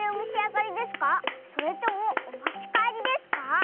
それともおもちかえりですか？